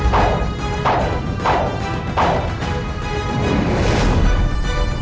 kau tidak akan mendapatkan jalan